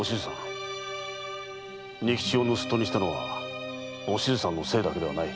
仁吉を盗っ人にしたのはお静さんのせいだけではない。